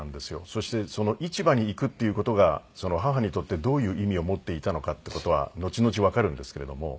そして市場に行くっていう事が母にとってどういう意味を持っていたのかっていう事はのちのちわかるんですけれども。